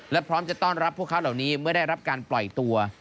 และพร้อมจะต้อนรับพวกเขาเหล่านี้เมื่อได้รับการปล่อยตัว